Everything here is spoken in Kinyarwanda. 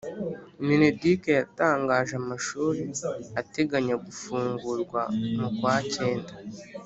Mineduc yatangaje amashuri ateganya gufungurwa mukwacyenda